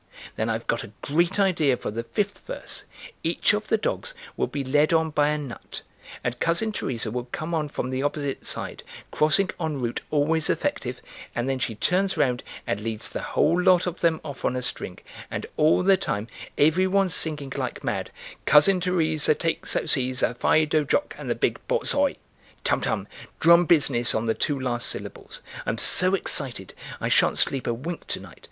Then I've got a great idea for the fifth verse; each of the dogs will be led on by a Nut, and Cousin Teresa will come on from the opposite side, crossing en route, always effective, and then she turns round and leads the whole lot of them off on a string, and all the time every one singing like mad: Cousin Teresa takes out Cæsar Fido, Jock, and the big borzoi. Tum Tum! Drum business on the two last syllables. I'm so excited, I shan't sleep a wink to night.